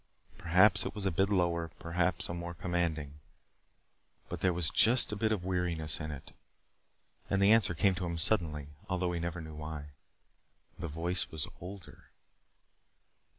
Perhaps it was a bit lower, a bit more commanding. But there was just a bit of weariness in it. And the answer came to him suddenly although he never knew why. The voice was older!